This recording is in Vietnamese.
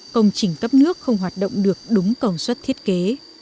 công trình cấp nước không hoạt động được đúng công suất thiết kế